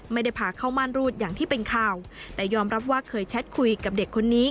ไม่ได้พาเข้าม่านรูดอย่างที่เป็นข่าวแต่ยอมรับว่าเคยแชทคุยกับเด็กคนนี้